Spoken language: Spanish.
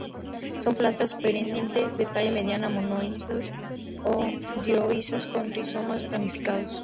Son plantas perennes de talla media, monoicas o dioicas, con rizomas ramificados.